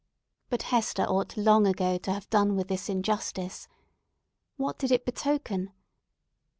But Hester ought long ago to have done with this injustice. What did it betoken?